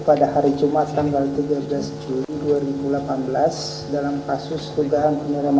pada hari ini tepatnya tanggal dua puluh empat agustus